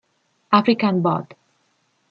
African Bot.